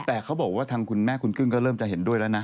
แต่เขาบอกว่าทางคุณแม่คุณกึ้งก็เริ่มจะเห็นด้วยแล้วนะ